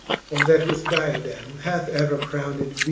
Or that with diademe hath ever crowned beene.